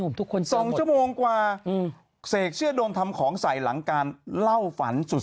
ทุกคนสองชั่วโมงกว่าอืมเสกเชื่อโดนทำของใส่หลังการเล่าฝันสุด